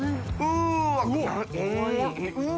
うわ！